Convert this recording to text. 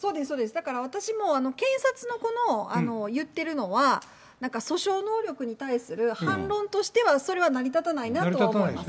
だから私も検察のこの言ってるのは、なんか訴訟能力に対する反論としては、それは成り立たないなとは思います。